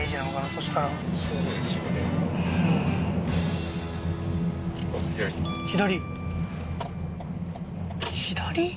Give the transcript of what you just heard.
そしたら左？